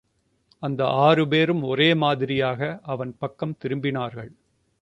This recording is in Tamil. அந்த ஆறு பேரும் ஒரே மாதிரியாக, அவன் பக்கம் திரும்பினார்கள்.